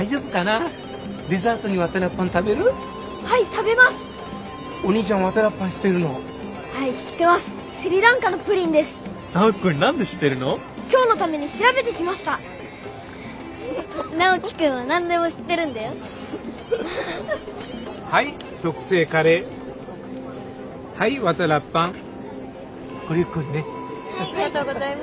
ありがとうございます。